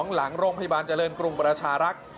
หลังโรงพยาบาลเจริญกรุงประชารักษ์